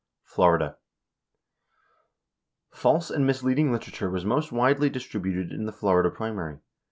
61 Florida: False and misleading literature was most widely dis tributed in the Florida primary.